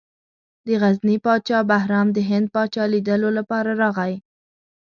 د غزني پاچا بهرام د هند پاچا لیدلو لپاره راغی.